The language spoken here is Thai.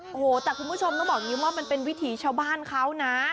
โอ้โหแต่คุณผู้ชมต้องบอกอย่างนี้ว่ามันเป็นวิถีชาวบ้านเขานะ